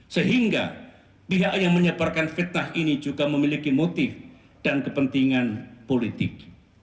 sehingga pihak yang menyebarkan fitnah ini juga memiliki motif dan kepentingan politik